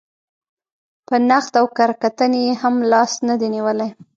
په نقد او کره کتنې یې هم لاس نه دی نېولی.